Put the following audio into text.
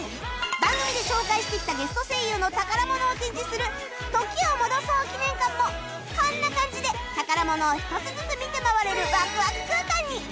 番組で紹介してきたゲスト声優の宝物を展示する「時を戻そう記念館」もこんな感じで宝物を一つずつ見て回れるワクワク空間に